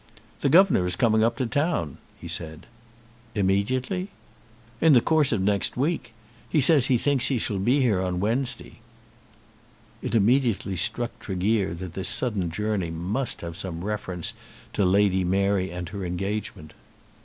"The governor is coming up to town," he said. "Immediately?" "In the course of next week. He says that he thinks he shall be here on Wednesday." It immediately struck Tregear that this sudden journey must have some reference to Lady Mary and her engagement.